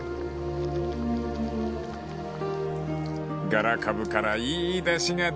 ［ガラカブからいいだしが出てる］